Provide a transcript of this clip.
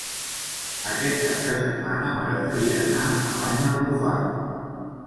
Aquest cap de setmana m'agradaria anar a Banyalbufar.